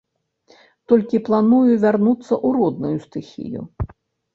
Толькі планую вярнуцца ў родную стыхію.